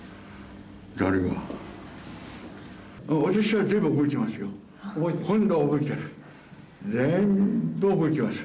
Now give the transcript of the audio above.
私は全部覚えてますよ。